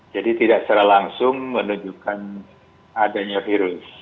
jadi tidak secara langsung menunjukkan adanya virus